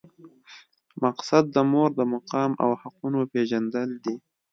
مقصد د مور د مقام او حقونو پېژندل دي.